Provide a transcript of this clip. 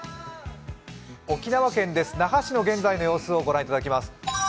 沖縄県です、那覇市の現在の様子を御覧いただきます。